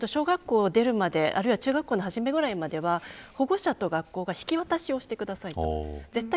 海外だと、小学校出るまであるいは中学校の初めぐらいまでは保護者と学校が引き渡しをしてください。